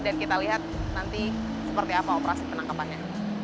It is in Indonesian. dan kita lihat nanti seperti apa operasi penangkapannya